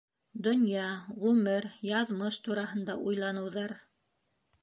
ДОНЪЯ, ҒҮМЕР, ЯҘМЫШ ТУРАҺЫНДА УЙЛАНЫУҘАР